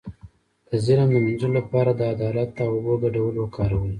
د ظلم د مینځلو لپاره د عدالت او اوبو ګډول وکاروئ